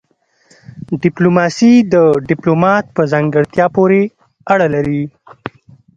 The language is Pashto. ډيپلوماسي د ډيپلومات په ځانګړتيا پوري اړه لري.